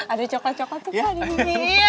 ada coklat coklat juga di sini